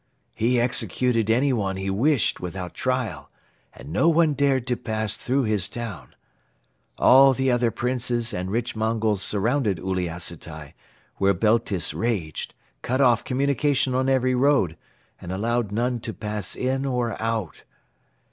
He executed any one he wished without trial and no one dared to pass through his town. All the other Princes and rich Mongols surrounded Uliassutai, where Beltis raged, cut off communication on every road and allowed none to pass in or out.